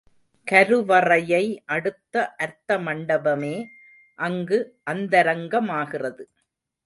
கருவறையை அடுத்த அர்த்த மண்டபமே அங்கு அந்தரங்கமாகிறது.